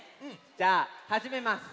じゃあはじめます！